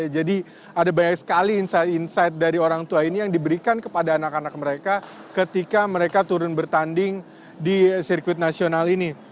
jadi ada banyak sekali insight dari orang tua ini yang diberikan kepada anak anak mereka ketika mereka turun bertanding di sirkuit nasional ini